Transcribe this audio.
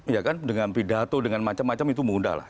ya kan dengan pidato dengan macam macam itu mudah lah